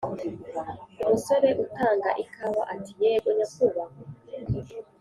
umusore utanga ikawa ati" yego nyakubahwa